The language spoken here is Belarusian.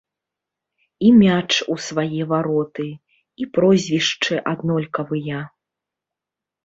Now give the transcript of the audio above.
І мяч у свае вароты, і прозвішчы аднолькавыя.